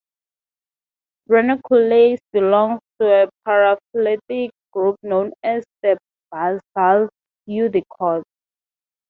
Ranunculales belongs to a paraphyletic group known as the basal eudicots.